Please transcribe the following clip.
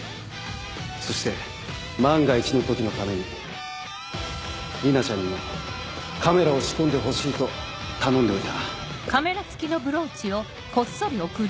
そして万が一の時のために莉奈ちゃんにもカメラを仕込んでほしいと頼んでおいた。